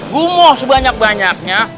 gue mau sebanyak banyaknya